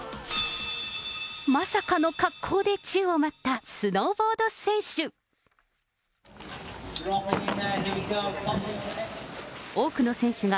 まさかの格好で宙を舞ったスノーボード選手。